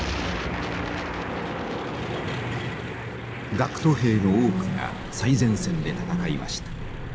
学徒兵の多くが最前線で戦いました。